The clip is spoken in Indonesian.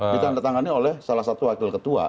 ditandatangani oleh salah satu wakil ketua